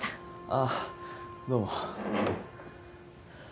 ああどうも。